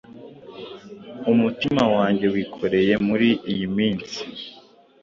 umutima wange wikoreye muri iyi minsi!